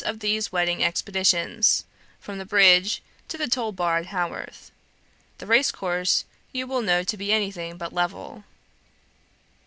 of these wedding expeditions, from the bridge to the toll bar at Haworth. The race course you will know to be anything but level."